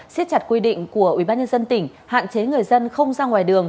siết chặt quy định của ubnd tỉnh hạn chế người dân không ra ngoài đường